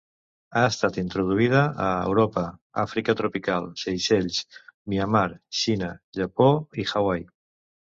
Ha estat introduïda a Europa, Àfrica tropical, Seychelles, Myanmar, Xina, Japó, i Hawaii.